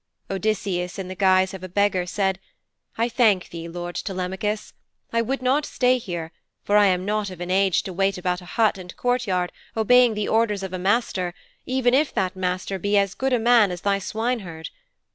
Odysseus in the guise of a beggar said, 'I thank thee, lord Telemachus. I would not stay here, for I am not of an age to wait about a hut and courtyard, obeying the orders of a master, even if that master be as good a man as thy swineherd.